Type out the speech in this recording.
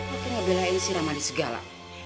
apa ngebelain si ramadi segala